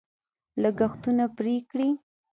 لګښتونه پرې کړي.